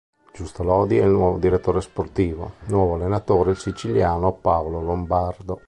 Giusto Lodi è il nuovo direttore sportivo, nuovo allenatore il siciliano Paolo Lombardo.